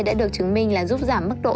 đã được chứng minh là giúp giảm mức độ